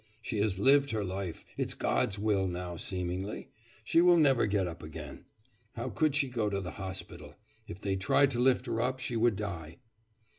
She has lived her life; it's God's will now seemingly. She will never get up again. How could she go to the hospital? If they tried to lift her up, she would die.